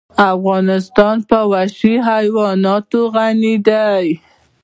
افغانستان په وحشي حیوانات غني دی.